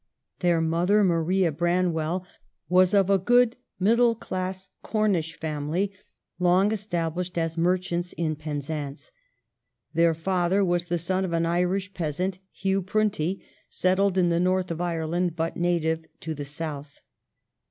Their mother, Maria Branwell, was of a good middle class Cornish family, long established as merchants in Penzance. Their father was the son of an Irish peasant, Hugh Prunty, settled in the north of Ireland, but native to the south.